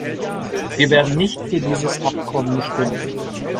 Wir werden nicht für dieses Abkommen stimmen.